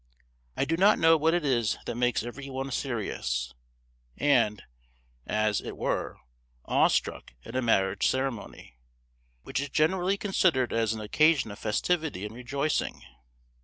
I do not know what it is that makes every one serious, and, as, it were, awestruck at a marriage ceremony, which is generally considered as an occasion of festivity and rejoicing.